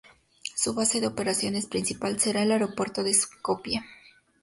Su base de operaciones principal será el Aeropuerto de Skopie.